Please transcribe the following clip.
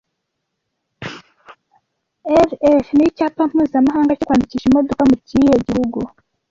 RL ni icyapa mpuzamahanga cyo kwandikisha imodoka mu kihe gihugu